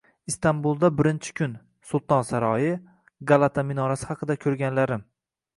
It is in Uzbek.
Istanbulda birinchi kun: Sulton saroyi, Galata minorasi haqida ko‘rganlarim